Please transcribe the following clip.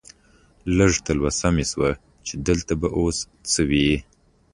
لږه تلوسه مې شوه چې دلته به اوس څه وي.